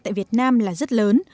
tại việt nam là rất lớn